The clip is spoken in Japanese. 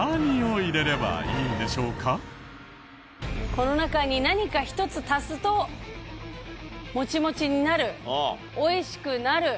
この中に何か一つ足すとモチモチになるおいしくなる